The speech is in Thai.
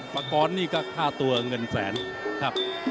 ปากรนี่ก็ค่าตัวเงินแสนครับ